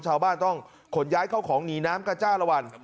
ชาวบ้านต้องขนย้ายเข้าของหนีน้ำกระจ้าละวัน